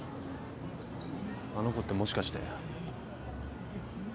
あの子ってもしかして。